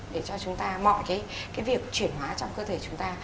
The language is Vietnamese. để cho chúng ta mọi cái việc chuyển hóa trong cơ thể chúng ta